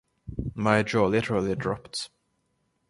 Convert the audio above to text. My jaw literally dropped.